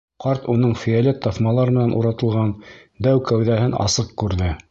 Ҡарт уның фиолет таҫмалар менән уратылған дәү кәүҙәһен асыҡ күрҙе.